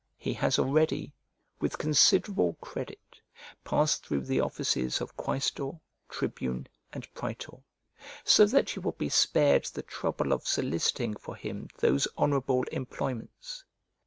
He has already, with considerable credit, passed through the offices of quaestor, tribune, and praetor; so that you will be spared the trouble of soliciting for him those honourable employments.